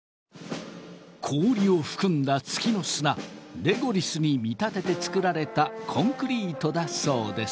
氷を含んだ月の砂レゴリスに見立てて作られたコンクリートだそうです。